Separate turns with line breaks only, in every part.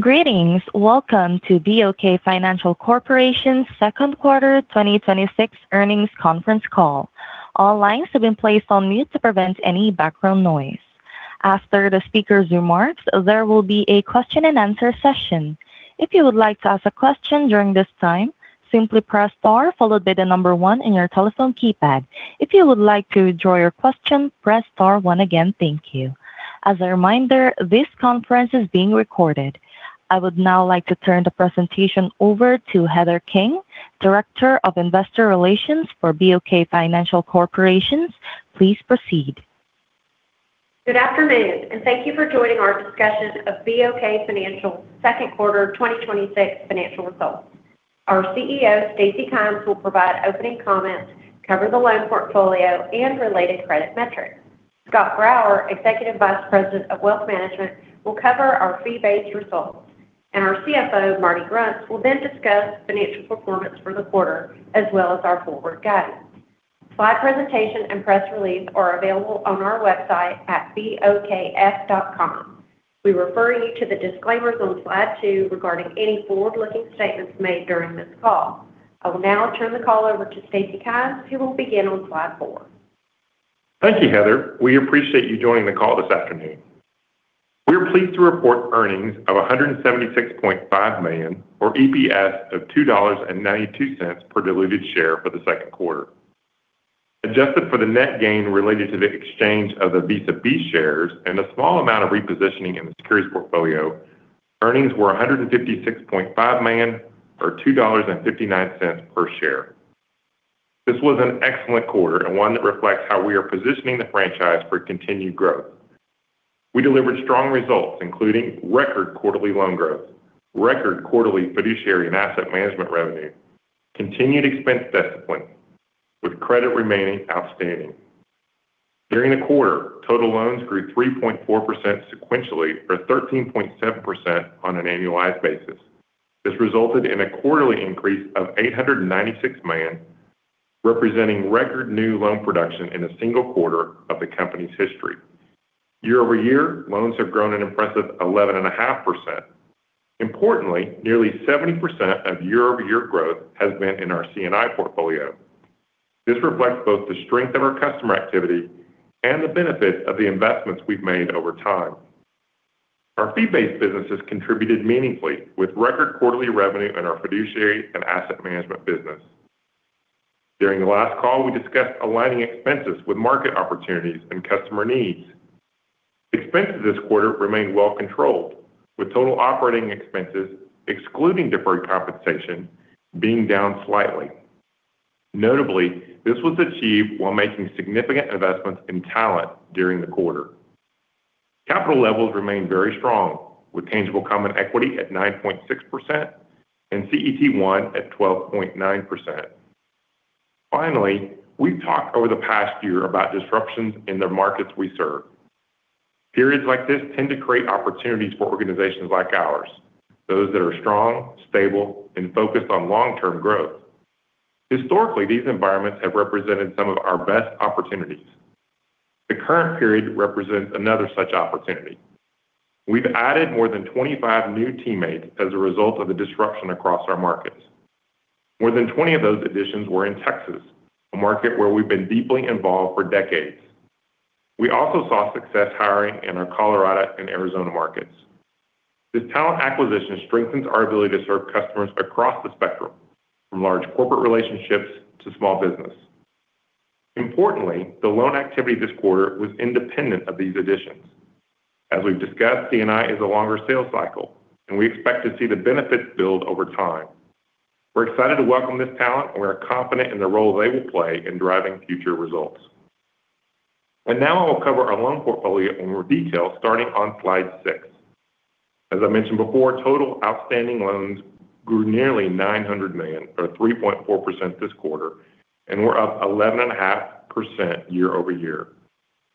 Greetings. Welcome to BOK Financial Corporation's second quarter 2026 earnings conference call. All lines have been placed on mute to prevent any background noise. After the speakers' remarks, there will be a question-and-answer session. If you would like to ask a question during this time, simply press star followed by the number one on your telephone keypad. If you would like to withdraw your question, press star one again. Thank you. As a reminder, this conference is being recorded. I would now like to turn the presentation over to Heather King, Director of Investor Relations for BOK Financial Corporation. Please proceed.
Good afternoon. Thank you for joining our discussion of BOK Financial's second quarter 2026 financial results. Our CEO, Stacy Kymes, will provide opening comments, cover the loan portfolio, and related credit metrics. Scott Grauer, Executive Vice President of Wealth Management, will cover our fee-based results. Our CFO, Martin Grunst, will then discuss financial performance for the quarter as well as our forward guidance. Slide presentation and press release are available on our website at bokf.com. We refer you to the disclaimers on slide two regarding any forward-looking statements made during this call. I will now turn the call over to Stacy Kymes, who will begin on slide four.
Thank you, Heather. We appreciate you joining the call this afternoon. We are pleased to report earnings of $176.5 million, or EPS of $2.92 per diluted share for the second quarter. Adjusted for the net gain related to the exchange of the Visa B shares and a small amount of repositioning in the securities portfolio, earnings were $156.5 million, or $2.59 per share. This was an excellent quarter and one that reflects how we are positioning the franchise for continued growth. We delivered strong results, including record quarterly loan growth, record quarterly fiduciary and asset management revenue, continued expense discipline, with credit remaining outstanding. During the quarter, total loans grew 3.4% sequentially, or 13.7% on an annualized basis. This resulted in a quarterly increase of $896 million, representing record new loan production in a single quarter of the company's history. Year-over-year, loans have grown an impressive 11.5%. Importantly, nearly 70% of year-over-year growth has been in our C&I portfolio. This reflects both the strength of our customer activity and the benefit of the investments we've made over time. Our fee-based businesses contributed meaningfully with record quarterly revenue in our fiduciary and asset management business. During the last call, we discussed aligning expenses with market opportunities and customer needs. Expenses this quarter remained well controlled, with total operating expenses, excluding deferred compensation, being down slightly. Notably, this was achieved while making significant investments in talent during the quarter. Capital levels remain very strong, with tangible common equity at 9.6% and CET1 at 12.9%. Finally, we've talked over the past year about disruptions in the markets we serve. Periods like this tend to create opportunities for organizations like ours, those that are strong, stable, and focused on long-term growth. Historically, these environments have represented some of our best opportunities. The current period represents another such opportunity. We've added more than 25 new teammates as a result of the disruption across our markets. More than 20 of those additions were in Texas, a market where we've been deeply involved for decades. We also saw success hiring in our Colorado and Arizona markets. This talent acquisition strengthens our ability to serve customers across the spectrum, from large corporate relationships to small business. Importantly, the loan activity this quarter was independent of these additions. As we've discussed, C&I is a longer sales cycle, and we expect to see the benefits build over time. We're excited to welcome this talent, and we are confident in the role they will play in driving future results. Now I will cover our loan portfolio in more detail starting on slide six. As I mentioned before, total outstanding loans grew nearly $900 million, or 3.4% this quarter, and we're up 11.5% year-over-year.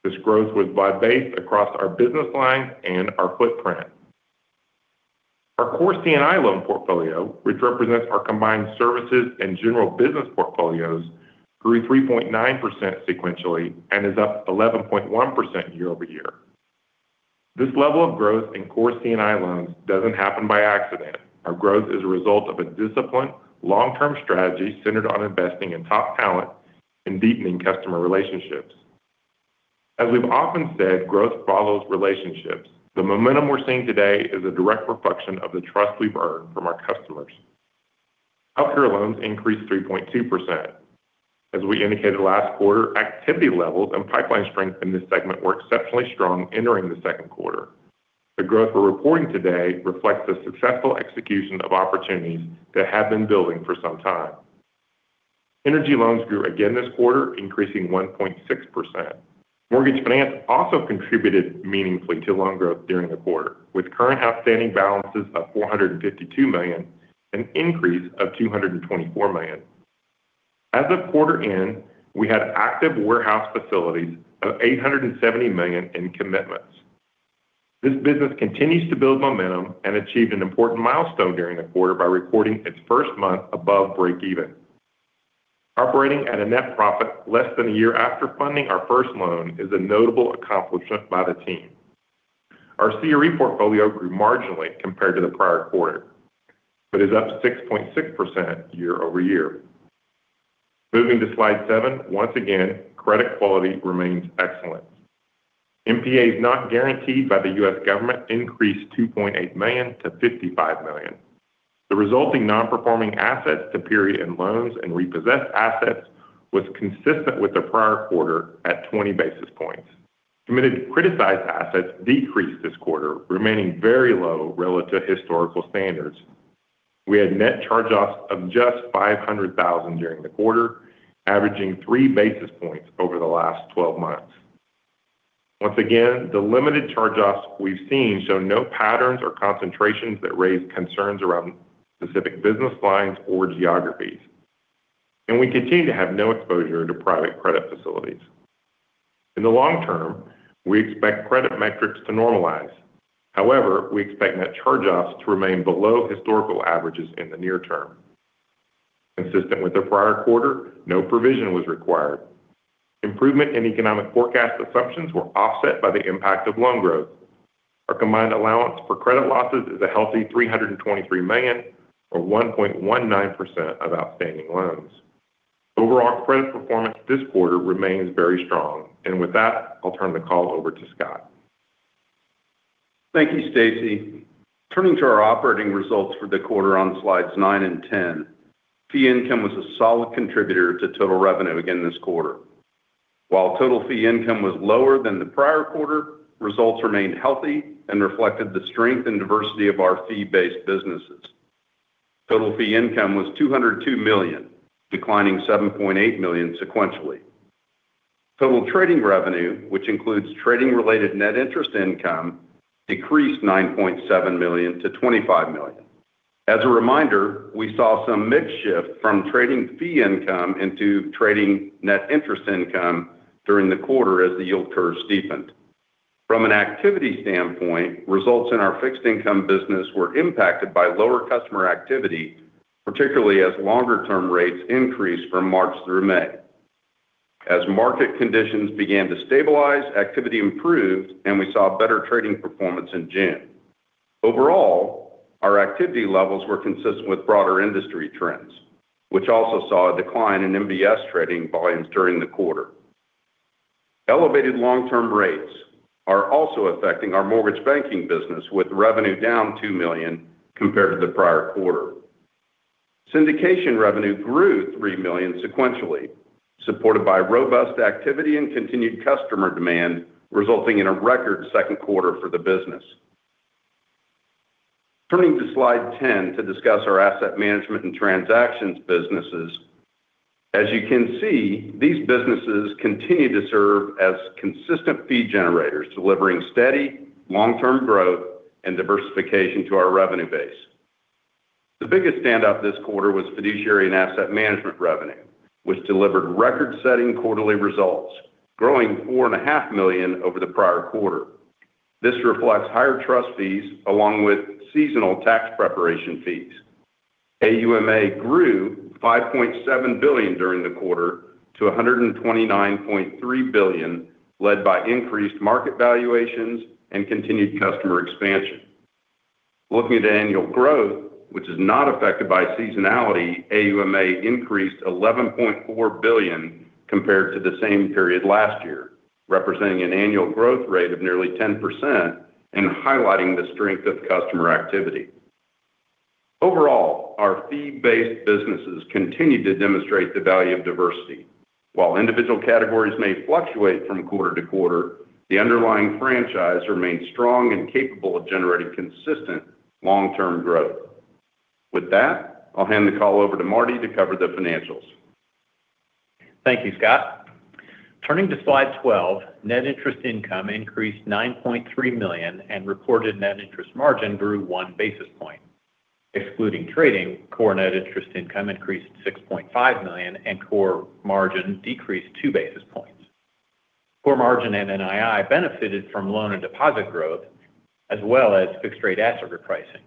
This growth was wide-based across our business lines and our footprint. Our core C&I loan portfolio, which represents our combined services and general business portfolios, grew 3.9% sequentially and is up 11.1% year-over-year. This level of growth in core C&I loans doesn't happen by accident. Our growth is a result of a disciplined long-term strategy centered on investing in top talent and deepening customer relationships. As we've often said, growth follows relationships. The momentum we're seeing today is a direct reflection of the trust we've earned from our customers. Healthcare loans increased 3.2%. As we indicated last quarter, activity levels and pipeline strength in this segment were exceptionally strong entering the second quarter. The growth we're reporting today reflects the successful execution of opportunities that have been building for some time. Energy loans grew again this quarter, increasing 1.6%. Mortgage finance also contributed meaningfully to loan growth during the quarter, with current outstanding balances of $452 million, an increase of $224 million. As of quarter end, we had active warehouse facilities of $870 million in commitments. This business continues to build momentum and achieved an important milestone during the quarter by recording its first month above breakeven. Operating at a net profit less than a year after funding our first loan is a notable accomplishment by the team. Our CRE portfolio grew marginally compared to the prior quarter, but is up 6.6% year-over-year. Moving to slide seven, once again, credit quality remains excellent. NPAs not guaranteed by the U.S. government increased $2.8 million-$55 million. The resulting non-performing assets to period and loans and repossessed assets was consistent with the prior quarter at 20 basis points. Committed criticized assets decreased this quarter, remaining very low relative to historical standards. We had net charge-offs of just $500,000 during the quarter, averaging 3 basis points over the last 12 months. Once again, the limited charge-offs we've seen show no patterns or concentrations that raise concerns around specific business lines or geographies, and we continue to have no exposure to private credit facilities. In the long term, we expect credit metrics to normalize. However, we expect net charge-offs to remain below historical averages in the near term. Consistent with the prior quarter, no provision was required. Improvement in economic forecast assumptions were offset by the impact of loan growth. Our combined allowance for credit losses is a healthy $323 million, or 1.19% of outstanding loans. Overall credit performance this quarter remains very strong. With that, I'll turn the call over to Scott.
Thank you, Stacy. Turning to our operating results for the quarter on slides nine and 10. Fee income was a solid contributor to total revenue again this quarter. While total fee income was lower than the prior quarter, results remained healthy and reflected the strength and diversity of our fee-based businesses. Total fee income was $202 million, declining $7.8 million sequentially. Total trading revenue, which includes trading-related net interest income, decreased $9.7 million to $25 million. As a reminder, we saw some mix shift from trading fee income into trading net interest income during the quarter as the yield curve steepened. From an activity standpoint, results in our fixed income business were impacted by lower customer activity, particularly as longer-term rates increased from March through May. As market conditions began to stabilize, activity improved, we saw better trading performance in June. Overall, our activity levels were consistent with broader industry trends, which also saw a decline in MBS trading volumes during the quarter. Elevated long-term rates are also affecting our mortgage banking business, with revenue down $2 million compared to the prior quarter. Syndication revenue grew $3 million sequentially, supported by robust activity and continued customer demand, resulting in a record second quarter for the business. Turning to slide 10 to discuss our asset management and transactions businesses. As you can see, these businesses continue to serve as consistent fee generators, delivering steady, long-term growth and diversification to our revenue base. The biggest standout this quarter was fiduciary and asset management revenue, which delivered record-setting quarterly results, growing 4.5 million over the prior quarter. This reflects higher trust fees along with seasonal tax preparation fees. AUMA grew $5.7 billion during the quarter to $129.3 billion, led by increased market valuations and continued customer expansion. Looking at annual growth, which is not affected by seasonality, AUMA increased $11.4 billion compared to the same period last year, representing an annual growth rate of nearly 10% and highlighting the strength of customer activity. Overall, our fee-based businesses continue to demonstrate the value of diversity. While individual categories may fluctuate from quarter to quarter, the underlying franchise remains strong and capable of generating consistent long-term growth. With that, I'll hand the call over to Marty to cover the financials.
Thank you, Scott. Turning to slide 12, net interest income increased $9.3 million and reported net interest margin grew 1 basis point. Excluding trading, core net interest income increased $6.5 million and core margin decreased 2 basis points. Core margin and NII benefited from loan and deposit growth as well as fixed-rate asset repricing.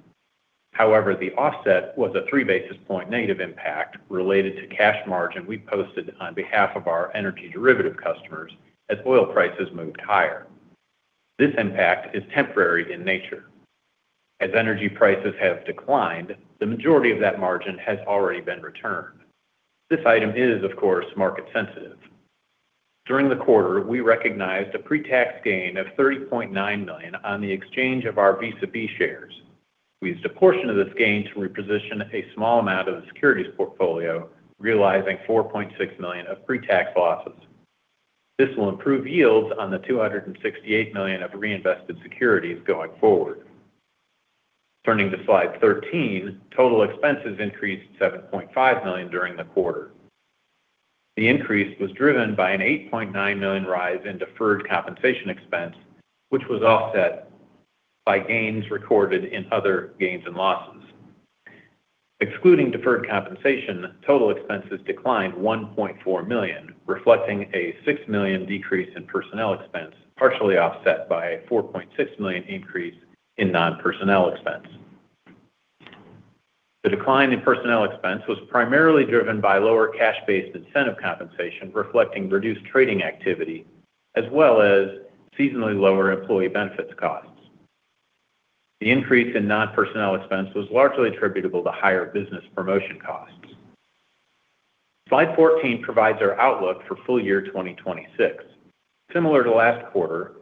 However, the offset was a 3 basis point negative impact related to cash margin we posted on behalf of our energy derivative customers as oil prices moved higher. This impact is temporary in nature. As energy prices have declined, the majority of that margin has already been returned. This item is, of course, market sensitive. During the quarter, we recognized a pre-tax gain of $30.9 million on the exchange of our Visa Class B shares. We used a portion of this gain to reposition a small amount of the securities portfolio, realizing $4.6 million of pre-tax losses. This will improve yields on the $268 million of reinvested securities going forward. Turning to slide 13, total expenses increased $7.5 million during the quarter. The increase was driven by an $8.9 million rise in deferred compensation expense, which was offset by gains recorded in other gains and losses. Excluding deferred compensation, total expenses declined $1.4 million, reflecting a $6 million decrease in personnel expense, partially offset by a $4.6 million increase in non-personnel expense. The decline in personnel expense was primarily driven by lower cash-based incentive compensation, reflecting reduced trading activity, as well as seasonally lower employee benefits costs. The increase in non-personnel expense was largely attributable to higher business promotion costs. Slide 14 provides our outlook for full year 2026. Similar to last quarter,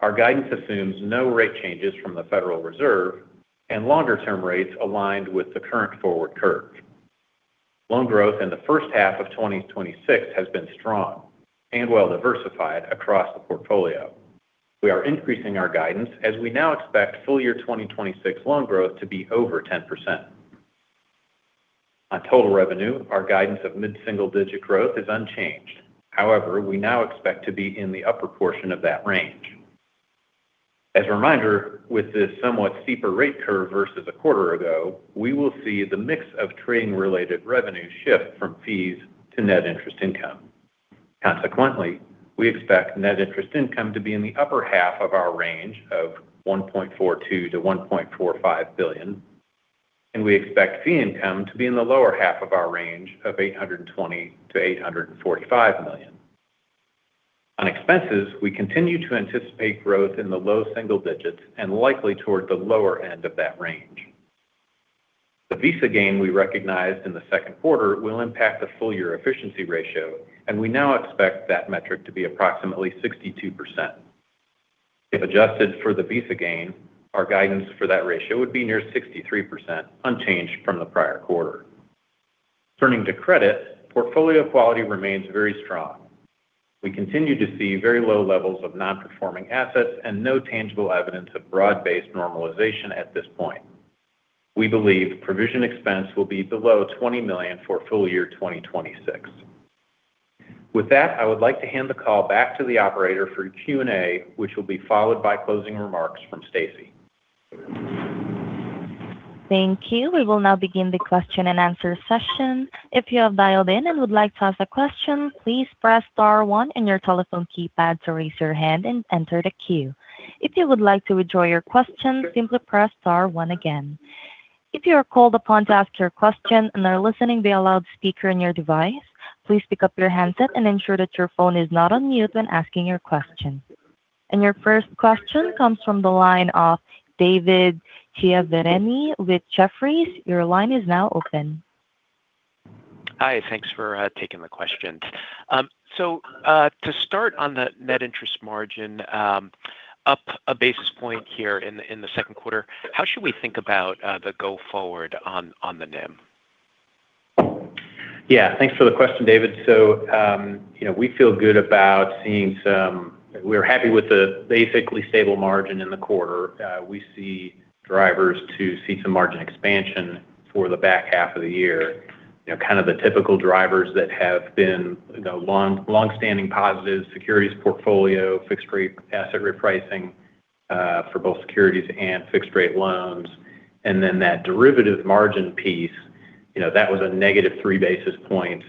our guidance assumes no rate changes from the Federal Reserve and longer-term rates aligned with the current forward curve. Loan growth in the first half of 2026 has been strong and well-diversified across the portfolio. We are increasing our guidance as we now expect full year 2026 loan growth to be over 10%. On total revenue, our guidance of mid-single digit growth is unchanged. However, we now expect to be in the upper portion of that range. As a reminder, with this somewhat steeper rate curve versus a quarter ago, we will see the mix of trading-related revenue shift from fees to net interest income. Consequently, we expect net interest income to be in the upper half of our range of $1.42 billion-$1.45 billion, and we expect fee income to be in the lower half of our range of $820 million-$845 million. On expenses, we continue to anticipate growth in the low single digits and likely toward the lower end of that range. The Visa gain we recognized in the second quarter will impact the full year efficiency ratio, and we now expect that metric to be approximately 62%. If adjusted for the Visa gain, our guidance for that ratio would be near 63%, unchanged from the prior quarter. Turning to credit, portfolio quality remains very strong. We continue to see very low levels of non-performing assets and no tangible evidence of broad-based normalization at this point. We believe provision expense will be below $20 million for full year 2026. With that, I would like to hand the call back to the operator for Q&A, which will be followed by closing remarks from Stacy.
Thank you. We will now begin the question-and-answer session. If you have dialed in and would like to ask a question, please press star one on your telephone keypad to raise your hand and enter the queue. If you would like to withdraw your question, simply press star one again. If you are called upon to ask your question and are listening via loudspeaker on your device, please pick up your handset and ensure that your phone is not on mute when asking your question. Your first question comes from the line of David Chiaverini with Jefferies. Your line is now open.
Hi, thanks for taking the question. To start on the net interest margin, up a basis point here in the second quarter, how should we think about the go forward on the NIM?
Yeah. Thanks for the question, David. We're happy with the basically stable margin in the quarter. We see drivers to see some margin expansion for the back half of the year. Kind of the typical drivers that have been longstanding positives, securities portfolio, fixed rate asset repricing for both securities and fixed rate loans. That derivative margin piece, that was a -3 basis points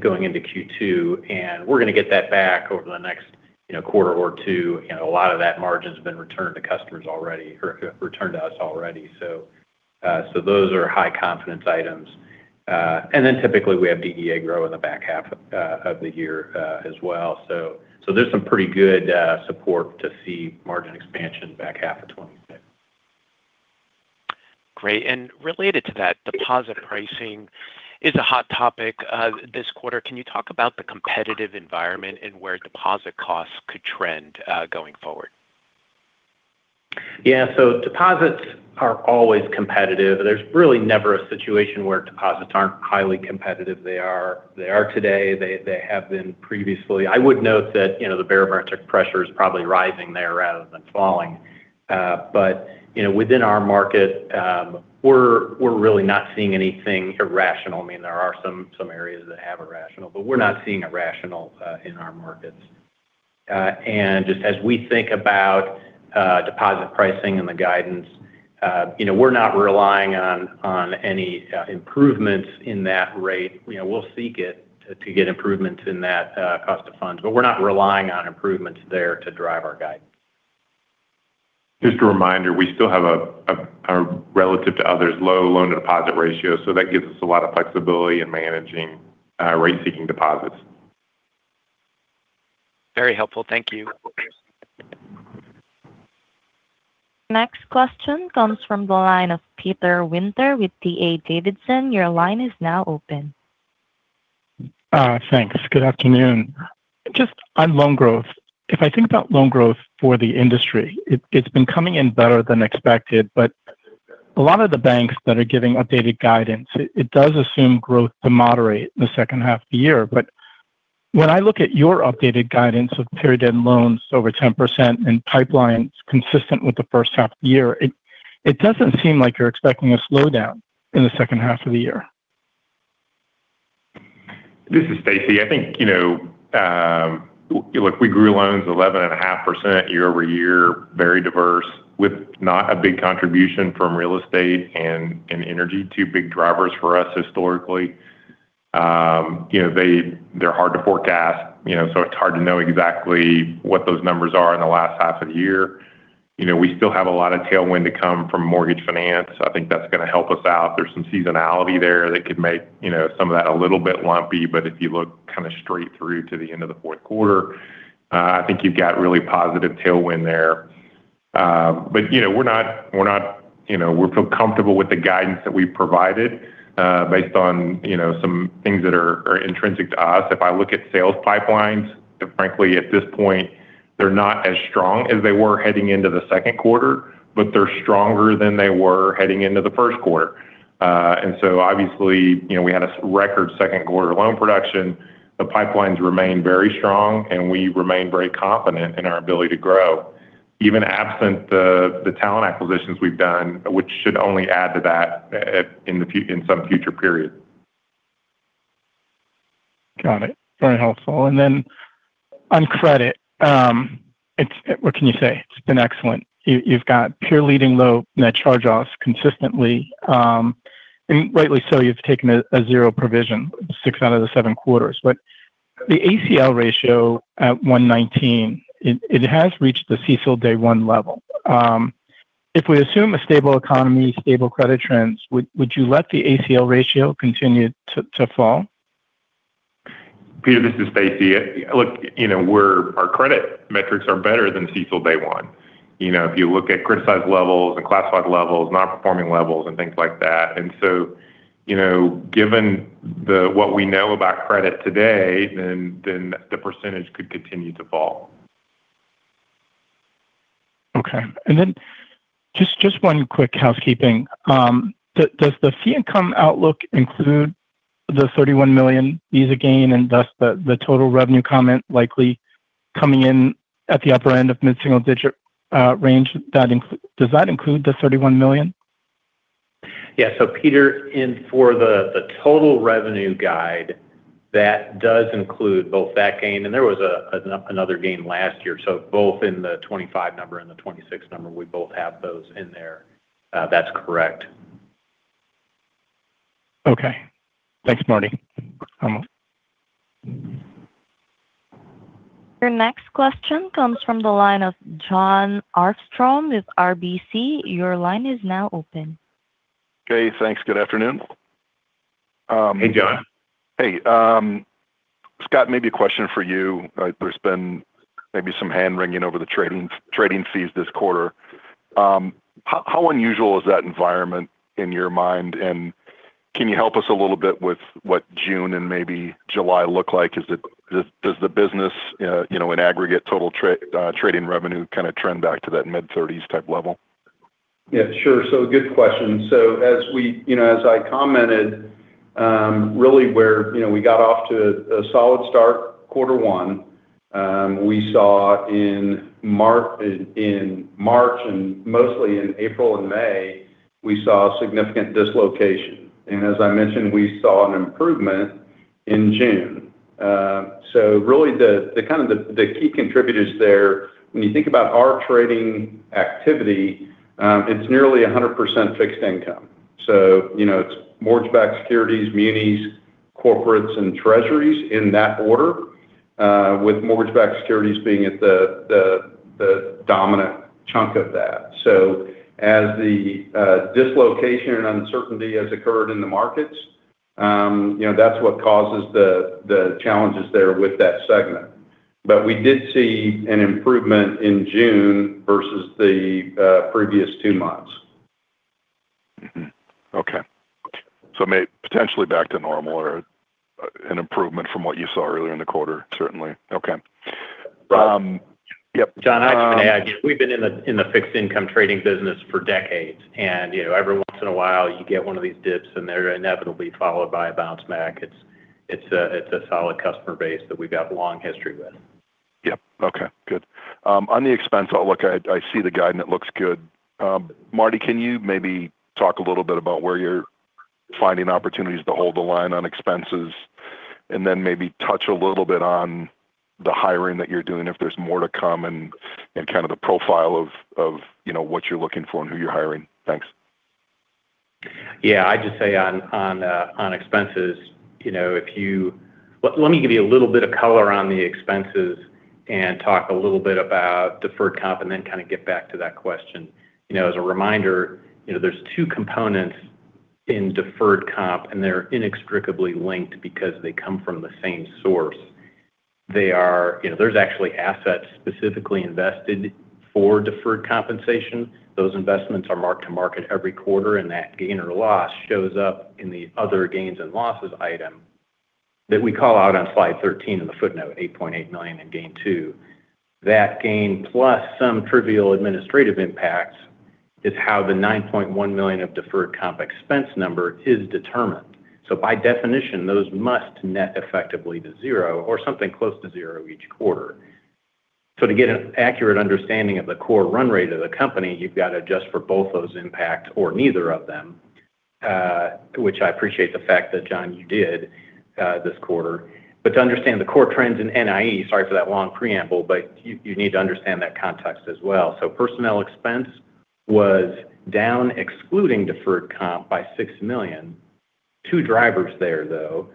going into Q2, we're going to get that back over the next quarter or two. A lot of that margin's been returned to us already. Those are high confidence items. Typically we have DDA grow in the back half of the year as well. There's some pretty good support to see margin expansion back half of 2026.
Great. Related to that, deposit pricing is a hot topic this quarter. Can you talk about the competitive environment and where deposit costs could trend going forward?
Deposits are always competitive. There's really never a situation where deposits aren't highly competitive. They are today. They have been previously. I would note that the bear market pressure is probably rising there rather than falling. Within our market, we're really not seeing anything irrational. There are some areas that have irrational, but we're not seeing irrational in our markets. Just as we think about deposit pricing and the guidance, we're not relying on any improvements in that rate. We'll seek it to get improvements in that cost of funds, but we're not relying on improvements there to drive our guidance.
Just a reminder, we still have a, relative to others, low loan deposit ratio, so that gives us a lot of flexibility in managing rate-seeking deposits.
Very helpful. Thank you.
Next question comes from the line of Peter Winter with D.A. Davidson. Your line is now open.
Thanks. Good afternoon. Just on loan growth, if I think about loan growth for the industry, it's been coming in better than expected, but a lot of the banks that are giving updated guidance, it does assume growth to moderate the second half of the year. When I look at your updated guidance with period end loans over 10% and pipelines consistent with the first half of the year, it doesn't seem like you're expecting a slowdown in the second half of the year.
This is Stacy. I think, look, we grew loans 11.5% year-over-year, very diverse with not a big contribution from real estate and in energy, two big drivers for us historically. They're hard to forecast, so it's hard to know exactly what those numbers are in the last half of the year. We still have a lot of tailwind to come from mortgage finance. I think that's going to help us out. There's some seasonality there that could make some of that a little bit lumpy, but if you look straight through to the end of the fourth quarter, I think you've got really positive tailwind there. We're comfortable with the guidance that we've provided based on some things that are intrinsic to us. If I look at sales pipelines, frankly, at this point, they're not as strong as they were heading into the second quarter, but they're stronger than they were heading into the first quarter. Obviously, we had a record second quarter loan production. The pipelines remain very strong and we remain very confident in our ability to grow. Even absent the talent acquisitions we've done, which should only add to that in some future period.
Got it. Very helpful. On credit, what can you say? It's been excellent. You've got pure leading low net charge-offs consistently, and rightly so you've taken a zero provision six out of the seven quarters. The ACL ratio at 119, it has reached the CECL day one level. If we assume a stable economy, stable credit trends, would you let the ACL ratio continue to fall?
Peter, this is Stacy. Look, our credit metrics are better than CECL day one. If you look at criticized levels and classified levels, non-performing levels and things like that. Given what we know about credit today, the percentage could continue to fall.
Okay. Just one quick housekeeping. Does the fee income outlook include the $31 million Visa gain and thus the total revenue comment likely coming in at the upper end of mid-single-digit range? Does that include the $31 million?
Yeah. Peter, in for the total revenue guide, that does include both that gain and there was another gain last year. Both in the 2025 number and the 2026 number, we both have those in there. That's correct.
Okay. Thanks, Marty.
Your next question comes from the line of Jon Arfstrom with RBC. Your line is now open.
Okay, thanks. Good afternoon.
Hey, Jon.
Hey. Scott, maybe a question for you. There's been maybe some hand-wringing over the trading fees this quarter. How unusual is that environment in your mind, and can you help us a little bit with what June and maybe July look like? Does the business in aggregate total trading revenue kind of trend back to that mid-30s type level?
Yeah, sure. Good question. As I commented, really where we got off to a solid start quarter one, we saw in March, and mostly in April and May, we saw significant dislocation. As I mentioned, we saw an improvement in June. Really the key contributors there, when you think about our trading activity, it's nearly 100% fixed income. It's mortgage-backed securities, munis, corporates, and treasuries in that order, with mortgage-backed securities being at the dominant chunk of that. As the dislocation and uncertainty has occurred in the markets, that's what causes the challenges there with that segment. We did see an improvement in June versus the previous two months.
Okay. Maybe potentially back to normal or an improvement from what you saw earlier in the quarter, certainly. Okay. Yep.
Jon, I'd just add, we've been in the fixed income trading business for decades. Every once in a while you get one of these dips and they're inevitably followed by a bounce back. It's a solid customer base that we've got a long history with.
Yep. Okay, good. On the expense outlook, I see the guidance. It looks good. Marty, can you maybe talk a little bit about where you're finding opportunities to hold the line on expenses, and then maybe touch a little bit on the hiring that you're doing if there's more to come, and kind of the profile of what you're looking for and who you're hiring? Thanks.
I'd just say on expenses, let me give you a little bit of color on the expenses and talk a little bit about deferred comp and then kind of get back to that question. As a reminder, there's two components in deferred comp, and they're inextricably linked because they come from the same source. There's actually assets specifically invested for deferred compensation. Those investments are marked to market every quarter, and that gain or loss shows up in the other gains and losses item that we call out on slide 13 in the footnote, $8.8 million in gain two. By definition, those must net effectively to zero or something close to zero each quarter. To get an accurate understanding of the core run rate of the company, you've got to adjust for both those impact or neither of them, which I appreciate the fact that, Jon, you did this quarter. To understand the core trends in NIE, sorry for that long preamble, you need to understand that context as well. Personnel expense was down excluding deferred comp by $6 million. Two drivers there, though.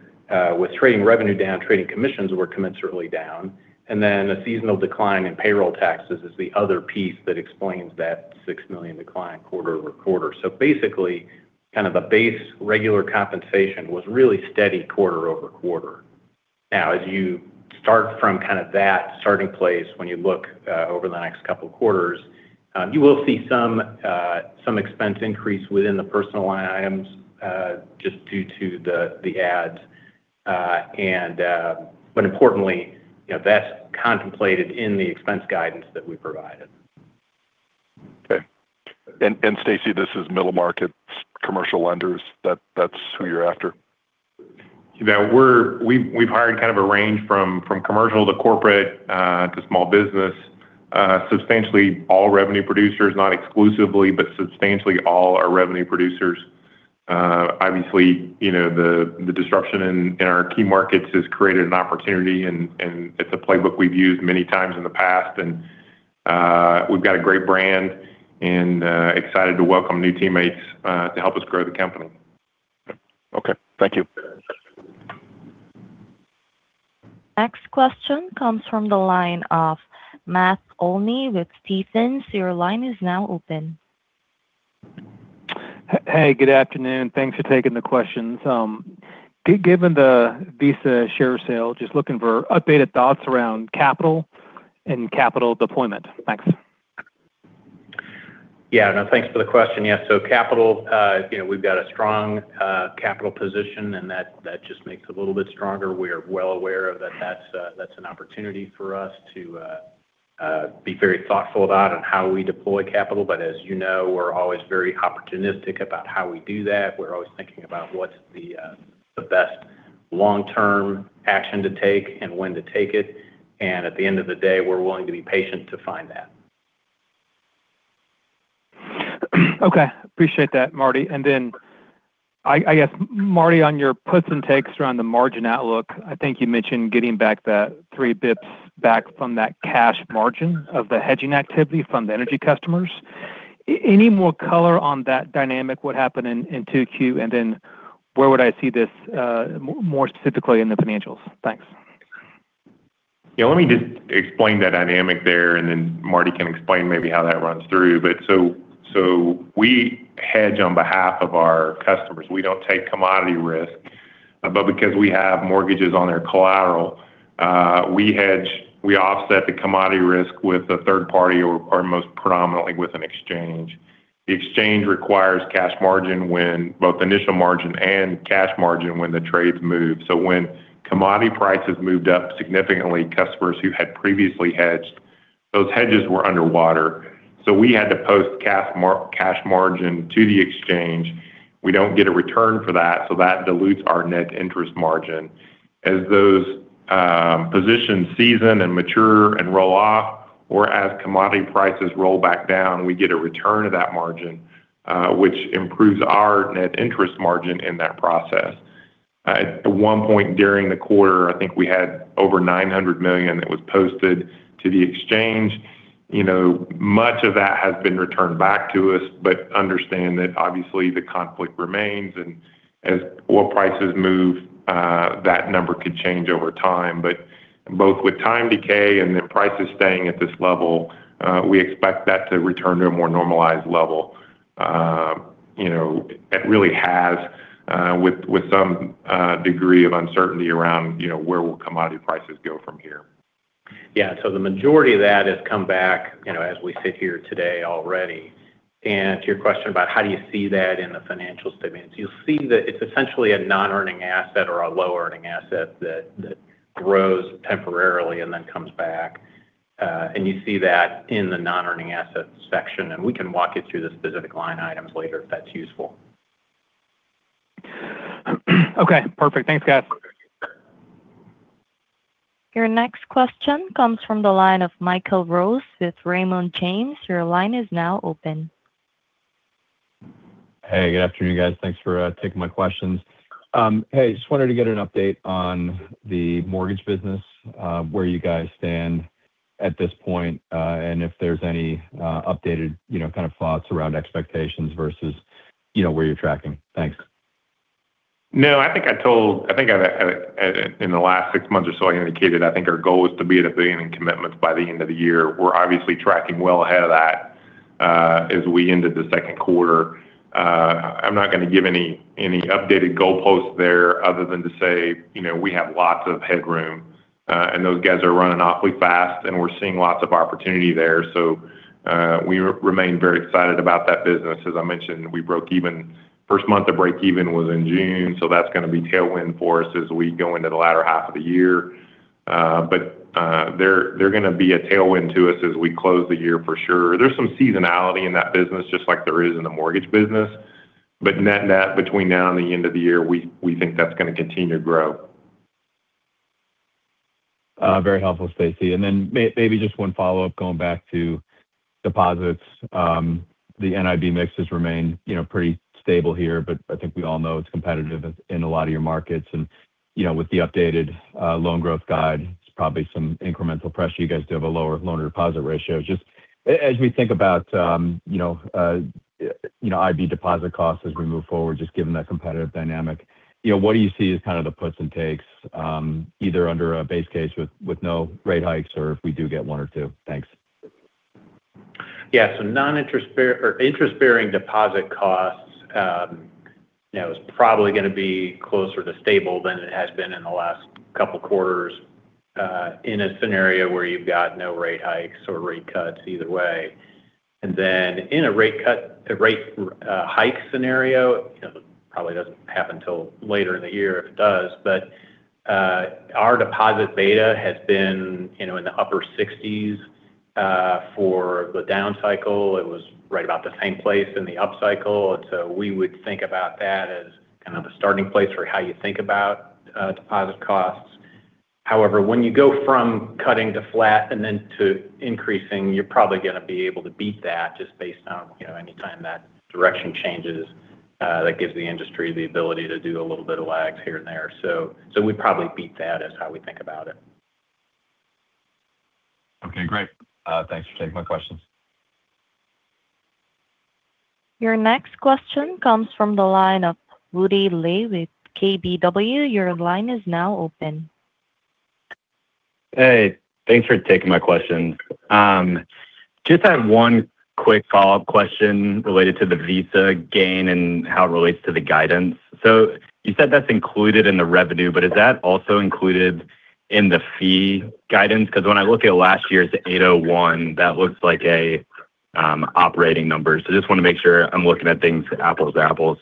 With trading revenue down, trading commissions were commensurately down, and then a seasonal decline in payroll taxes is the other piece that explains that $6 million decline quarter-over-quarter. Basically, kind of the base regular compensation was really steady quarter-over-quarter. As you start from that starting place when you look over the next couple of quarters, you will see some expense increase within the personal line items, just due to the ads. Importantly, that's contemplated in the expense guidance that we provided.
Okay. Stacy, this is middle market commercial lenders, that's who you're after?
Yeah. We've hired kind of a range from commercial to corporate, to small business. Substantially all revenue producers, not exclusively, but substantially all are revenue producers. Obviously, the disruption in our key markets has created an opportunity and it's a playbook we've used many times in the past and we've got a great brand and excited to welcome new teammates to help us grow the company.
Okay. Thank you.
Next question comes from the line of Matt Olney with Stephens. Your line is now open.
Hey, good afternoon. Thanks for taking the questions. Given the Visa share sale, just looking for updated thoughts around capital and capital deployment. Thanks.
Thanks for the question. Capital, we've got a strong capital position and that just makes a little bit stronger. We are well aware of that. That's an opportunity for us to be very thoughtful about on how we deploy capital. As you know, we're always very opportunistic about how we do that. We're always thinking about what's the best long-term action to take and when to take it, and at the end of the day, we're willing to be patient to find that.
Appreciate that, Marty. I guess, Marty, on your puts and takes around the margin outlook, I think you mentioned getting back the 3 basis points back from that cash margin of the hedging activity from the energy customers. Any more color on that dynamic, what happened in 2Q, and where would I see this more specifically in the financials? Thanks.
Let me just explain that dynamic there, and Marty can explain maybe how that runs through. We hedge on behalf of our customers. We don't take commodity risk. Because we have mortgages on their collateral, we offset the commodity risk with a third party or most predominantly with an exchange. The exchange requires both initial margin and cash margin when the trades move. When commodity prices moved up significantly, customers who had previously hedged, those hedges were underwater, so we had to post cash margin to the exchange. We don't get a return for that dilutes our net interest margin. As those positions season and mature and roll off, or as commodity prices roll back down, we get a return of that margin, which improves our net interest margin in that process. At 1 point during the quarter, I think we had over $900 million that was posted to the exchange. Much of that has been returned back to us, understand that obviously the conflict remains, and as oil prices move, that number could change over time. Both with time decay and the prices staying at this level, we expect that to return to a more normalized level. It really has with some degree of uncertainty around where will commodity prices go from here.
Yeah. The majority of that has come back as we sit here today already. To your question about how do you see that in the financial statements, you'll see that it's essentially a non-earning asset or a low-earning asset that grows temporarily and then comes back. You see that in the non-earning assets section, and we can walk you through the specific line items later if that's useful.
Okay, perfect. Thanks, guys.
Your next question comes from the line of Michael Rose with Raymond James. Your line is now open.
Hey, good afternoon, guys. Thanks for taking my questions. Just wanted to get an update on the mortgage business, where you guys stand at this point, and if there's any updated kind of thoughts around expectations versus where you're tracking. Thanks.
I think in the last six months or so, I indicated I think our goal is to be at $1 billion in commitments by the end of the year. We're obviously tracking well ahead of that as we ended the second quarter. I'm not going to give any updated goalposts there other than to say we have lots of headroom. Those guys are running awfully fast, and we're seeing lots of opportunity there. We remain very excited about that business. As I mentioned, first month of breakeven was in June, so that's going to be tailwind for us as we go into the latter half of the year. They're going to be a tailwind to us as we close the year for sure. There's some seasonality in that business, just like there is in the mortgage business. Net, between now and the end of the year, we think that's going to continue to grow.
Very helpful, Stacy. Maybe just one follow-up, going back to deposits. The NIB mixes remain pretty stable here, but I think we all know it's competitive in a lot of your markets. With the updated loan growth guide, there's probably some incremental pressure. You guys do have a lower loan-to-deposit ratio. Just as we think about IB deposit costs as we move forward, just given that competitive dynamic, what do you see as kind of the puts and takes either under a base case with no rate hikes or if we do get one or two? Thanks.
Non-interest bearing or interest-bearing deposit costs is probably going to be closer to stable than it has been in the last couple of quarters in a scenario where you've got no rate hikes or rate cuts either way. In a rate hike scenario, it probably doesn't happen until later in the year if it does, but our deposit beta has been in the upper 60s for the down cycle. It was right about the same place in the upcycle. We would think about that as kind of the starting place for how you think about deposit costs. However, when you go from cutting to flat and then to increasing, you're probably going to be able to beat that just based on any time that direction changes. That gives the industry the ability to do a little bit of lags here and there. We'd probably beat that is how we think about it.
Okay, great. Thanks for taking my questions.
Your next question comes from the line of Woody Lay with KBW. Your line is now open.
Hey, thanks for taking my question. Just have one quick follow-up question related to the Visa gain and how it relates to the guidance. You said that's included in the revenue, is that also included in the fee guidance? Because when I look at last year's 801, that looks like an operating number. Just want to make sure I'm looking at things apples to apples.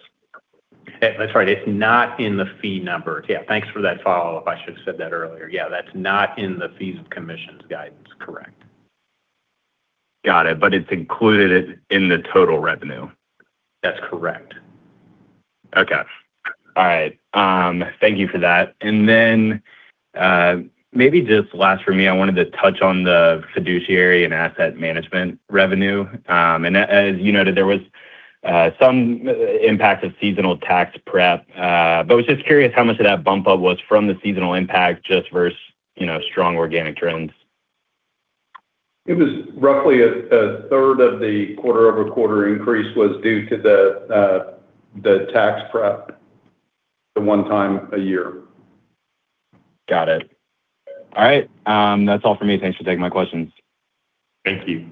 That's right. It's not in the fee number. Yeah, thanks for that follow-up. I should have said that earlier. Yeah, that's not in the fees and commissions guidance. Correct.
Got it. It's included in the total revenue?
That's correct.
Okay. All right. Thank you for that. Then maybe just last for me, I wanted to touch on the fiduciary and asset management revenue. As you noted, there was some impact of seasonal tax prep. I was just curious how much of that bump up was from the seasonal impact just versus strong organic trends.
It was roughly a third of the quarter-over-quarter increase was due to the tax prep, the one time a year.
Got it. All right. That's all for me. Thanks for taking my questions.
Thank you.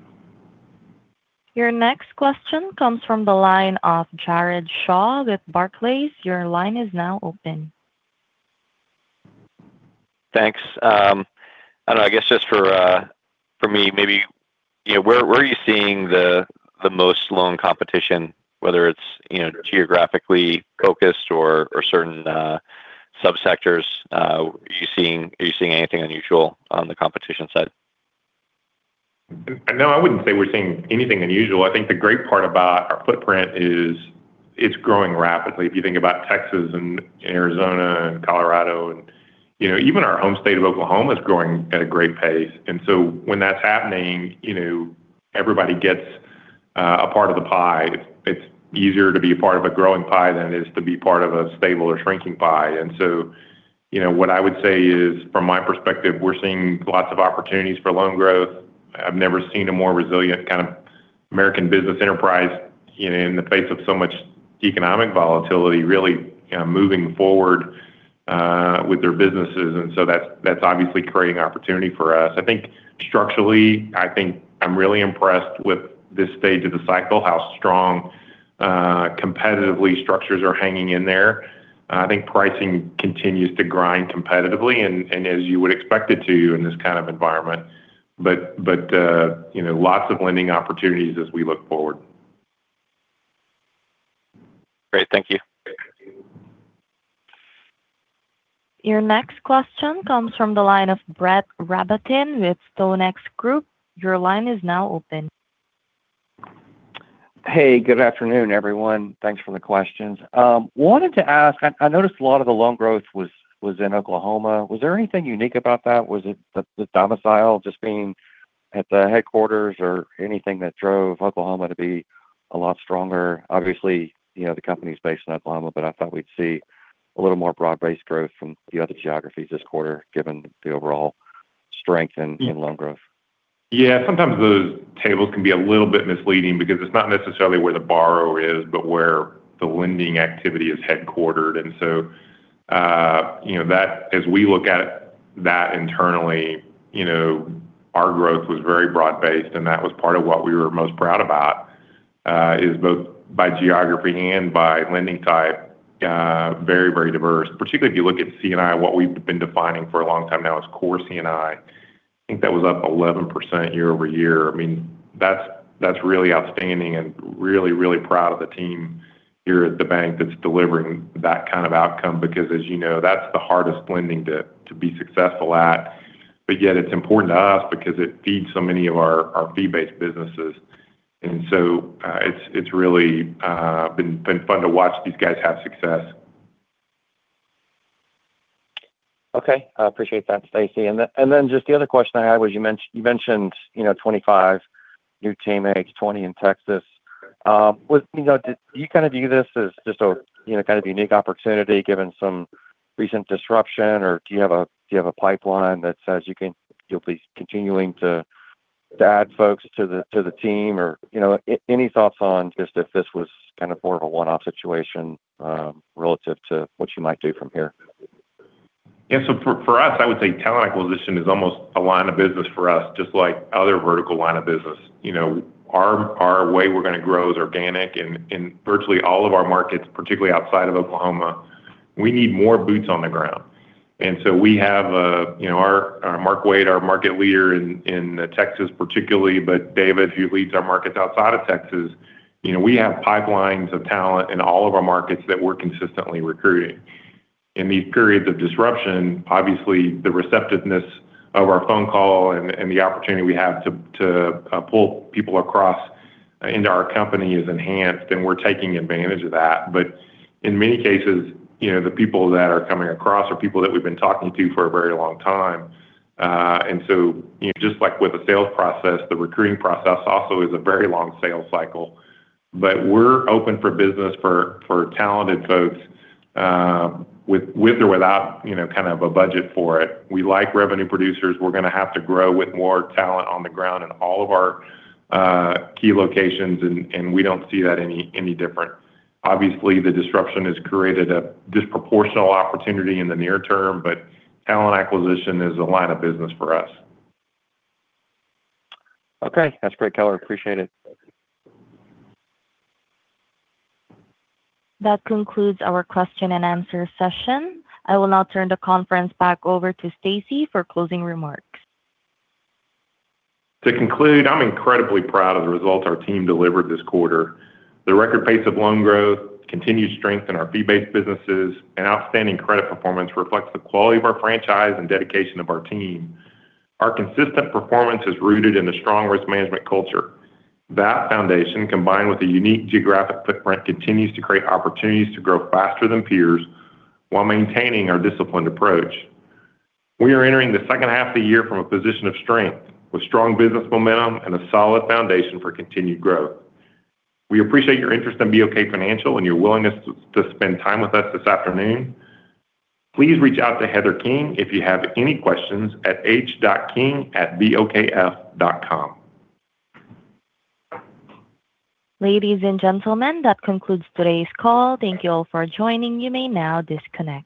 Your next question comes from the line of Jared Shaw with Barclays. Your line is now open.
Thanks. I don't know, I guess just for me maybe, where are you seeing the most loan competition, whether it's geographically focused or certain sub-sectors? Are you seeing anything unusual on the competition side?
No, I wouldn't say we're seeing anything unusual. I think the great part about our footprint is it's growing rapidly. If you think about Texas and Arizona and Colorado, even our home state of Oklahoma is growing at a great pace. When that's happening, everybody gets a part of the pie. It's easier to be a part of a growing pie than it is to be part of a stable or shrinking pie. What I would say is from my perspective, we're seeing lots of opportunities for loan growth. I've never seen a more resilient kind of American business enterprise in the face of so much economic volatility really moving forward with their businesses. That's obviously creating opportunity for us. I think structurally, I think I'm really impressed with this stage of the cycle, how strong competitively structures are hanging in there. I think pricing continues to grind competitively and as you would expect it to in this kind of environment. Lots of lending opportunities as we look forward.
Great. Thank you.
Thank you.
Your next question comes from the line of Brett Rabatin with StoneX Group. Your line is now open.
Hey, good afternoon, everyone. Thanks for the questions. Wanted to ask, I noticed a lot of the loan growth was in Oklahoma. Was there anything unique about that? Was it the domicile just being at the headquarters or anything that drove Oklahoma to be a lot stronger? Obviously, the company's based in Oklahoma, but I thought we'd see a little more broad-based growth from the other geographies this quarter, given the overall strength in loan growth.
Yeah. Sometimes those tables can be a little bit misleading because it's not necessarily where the borrower is, but where the lending activity is headquartered. As we look at that internally, our growth was very broad-based, and that was part of what we were most proud about is both by geography and by lending type, very diverse. Particularly if you look at C&I, what we've been defining for a long time now as core C&I. I think that was up 11% year-over-year. That's really outstanding and really proud of the team here at the bank that's delivering that kind of outcome because as you know, that's the hardest lending to be successful at. Yet it's important to us because it feeds so many of our fee-based businesses. It's really been fun to watch these guys have success.
Okay. I appreciate that, Stacy. Just the other question I had was you mentioned 25 new teammates, 20 in Texas. Do you view this as just a kind of unique opportunity, given some recent disruption, or do you have a pipeline that says you'll be continuing to add folks to the team, or any thoughts on just if this was kind of more of a one-off situation relative to what you might do from here?
Yeah. For us, I would say talent acquisition is almost a line of business for us, just like other vertical line of business. Our way we're going to grow is organic in virtually all of our markets, particularly outside of Oklahoma. We need more boots on the ground. Mark Wade, our market leader in Texas particularly, David, who leads our markets outside of Texas, we have pipelines of talent in all of our markets that we're consistently recruiting. In these periods of disruption, obviously, the receptiveness of our phone call and the opportunity we have to pull people across into our company is enhanced, and we're taking advantage of that. In many cases, the people that are coming across are people that we've been talking to for a very long time. Just like with the sales process, the recruiting process also is a very long sales cycle. We're open for business for talented folks with or without a budget for it. We like revenue producers. We're going to have to grow with more talent on the ground in all of our key locations, and we don't see that any different. Obviously, the disruption has created a disproportional opportunity in the near term, but talent acquisition is a line of business for us.
Okay. That's great, color. Appreciate it.
That concludes our question-and-answer session. I will now turn the conference back over to Stacy for closing remarks.
To conclude, I'm incredibly proud of the results our team delivered this quarter. The record pace of loan growth, continued strength in our fee-based businesses, and outstanding credit performance reflects the quality of our franchise and dedication of our team. Our consistent performance is rooted in a strong risk management culture. That foundation, combined with a unique geographic footprint, continues to create opportunities to grow faster than peers while maintaining our disciplined approach. We are entering the second half of the year from a position of strength, with strong business momentum and a solid foundation for continued growth. We appreciate your interest in BOK Financial and your willingness to spend time with us this afternoon. Please reach out to Heather King if you have any questions at h.king@bokf.com.
Ladies and gentlemen, that concludes today's call. Thank you all for joining. You may now disconnect.